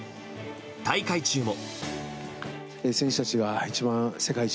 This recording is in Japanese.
大会中も。